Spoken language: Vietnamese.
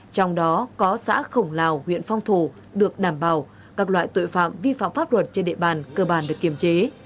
trong đó có xã khổng lào huyện phong thổ được đảm bảo các loại tội phạm vi phạm pháp luật trên địa bàn cơ bản được kiềm chế